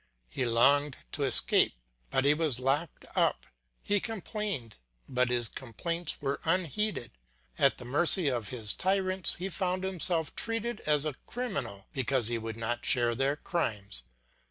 He longed to escape, but he was locked up; he complained, but his complaints were unheeded; at the mercy of his tyrants, he found himself treated as a criminal because he would not share their crimes.